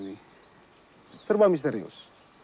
sehingga polisi menganggapnya sebagai kasus tabrak lari